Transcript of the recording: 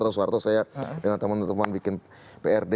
soeharto saya dengan teman teman bikin prd